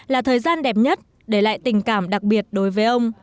là thời gian đẹp nhất để lại tình cảm đặc biệt đối với ông